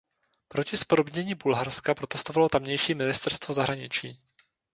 Proti zpodobnění Bulharska protestovalo tamější ministerstvo zahraničí.